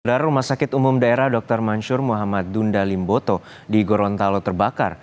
ular rumah sakit umum daerah dr mansur muhammad dunda limboto di gorontalo terbakar